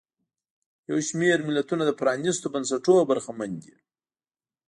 یو شمېر ملتونه له پرانیستو بنسټونو برخمن دي.